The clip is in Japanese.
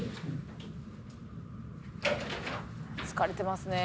「疲れてますね」